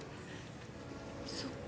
そっか。